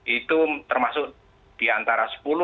itu termasuk di antara sepuluh